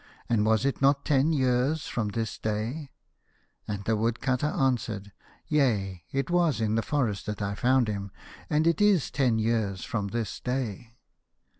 And was it not ten years from this day ?" And the Woodcutter answered, "Yea, it was in the forest that I found him, and it is ten years from this day."